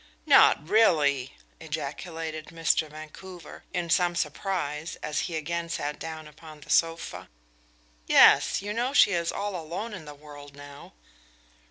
"Not really?" ejaculated Mr. Vancouver, in some surprise, as he again sat down upon the sofa. "Yes; you know she is all alone in the world now."